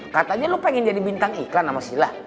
katanya lo pengen jadi bintang iklan sama sila